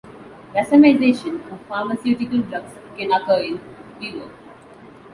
Racemization of pharmaceutical drugs can occur "in vivo".